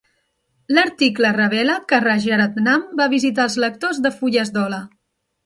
L'article revela que Rajaratnam va visitar els lectors de fulles d'ola.